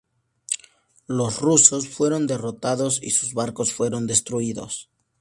Los rusos fueron derrotados y sus barcos fueron destruidos.